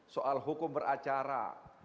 soal hukum beracara